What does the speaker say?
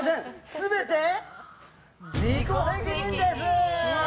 全て自己責任です！